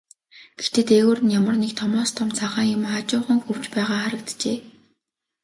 Гэхдээ дээгүүр нь ямар нэг томоос том цагаан юм аажуухан хөвж байгаа харагджээ.